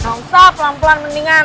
sampai pelan pelan mendingan